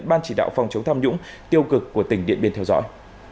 ban chỉ đạo phòng chống tham nhũng tiêu cực của tỉnh điện biên theo dõi